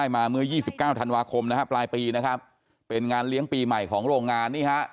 มาเมื่อ๒๙ธันวาคมนะฮะปลายปีนะครับเป็นงานเลี้ยงปีใหม่ของโรงงานนี่ฮะ